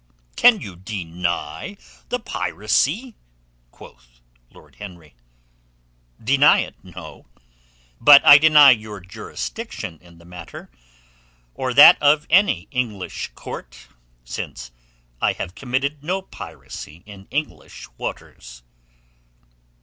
"Can you deny the piracy?" quoth Lord Henry. "Deny it? No. But I deny your jurisdiction in the matter, or that of any English court, since I have committed no piracy in English waters."